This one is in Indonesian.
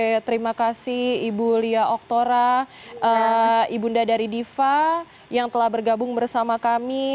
oke terima kasih ibu lia oktora ibunda dari diva yang telah bergabung bersama kami